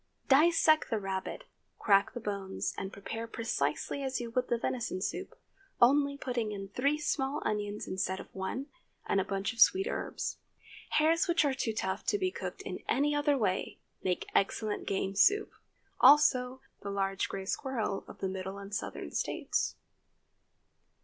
Dissect the rabbit, crack the bones, and prepare precisely as you would the venison soup, only putting in three small onions instead of one, and a bunch of sweet herbs. Hares which are too tough to be cooked in any other way, make excellent game soup. Also, the large gray squirrel of the Middle and Southern States.